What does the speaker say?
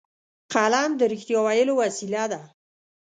قلم د رښتیا ویلو وسیله ده